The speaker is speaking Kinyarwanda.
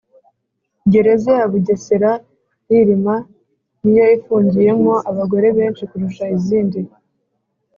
Gereza ya Bugesera Rilima niyo ifugiyemo abagore besnhi kurusha izindi